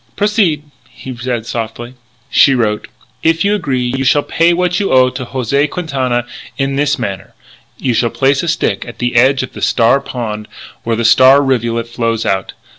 "Proceed," he said softly. She wrote: "If you agree you shall pay what you owe to José Quintana in this manner: you shall place a stick at the edge of the Star Pond where the Star rivulet flows out.